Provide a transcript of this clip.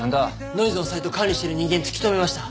ノイズのサイト管理してる人間突き止めました！